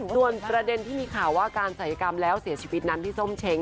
ส่วนประเด็นที่มีข่าวว่าการศัยกรรมแล้วเสียชีวิตนั้นพี่ส้มเช้ง